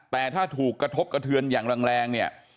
แต่ถ้าถูกกระทบกระเทือนอย่างแรงเนี่ย